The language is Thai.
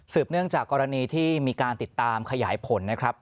เนื่องจากกรณีที่มีการติดตามขยายผลนะครับ